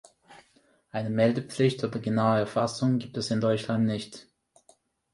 Eine Meldepflicht oder genaue Erfassung gibt es in Deutschland nicht.